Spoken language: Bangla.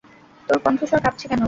তোর কণ্ঠস্বর কাঁপছে কেন?